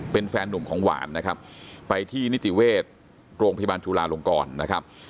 เป็นแฟนหนุ่มของหวานนะครับไปที่นิติเวชโรงพยาบาลจุลาลงกรนะครับ